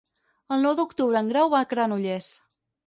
El nou d'octubre en Grau va a Granollers.